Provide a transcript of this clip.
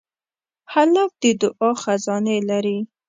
هلک د دعا خزانې لري.